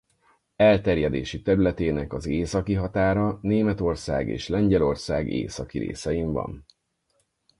Elterjedési területének az északi határa Németország és Lengyelország északi részein van.